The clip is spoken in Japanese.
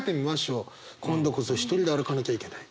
今度こそ独りで歩かなきゃいけない。